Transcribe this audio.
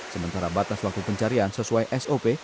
sementara batas waktu pencarian sesuai sop